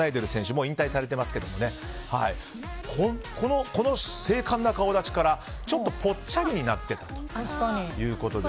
もう引退されてますけどこの精悍な顔立ちからちょっとぽっちゃりになっていた。